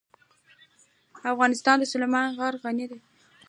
افغانستان په سلیمان غر غني دی.